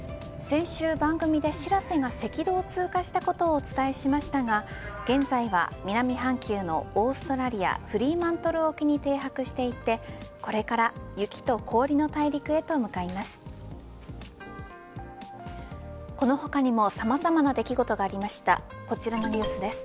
先週、番組でしらせが赤道を通過したことをお伝えしましたが現在は南半球のオーストラリアフリーマントル沖に停泊していてこれから雪と氷の大陸へと向かいます。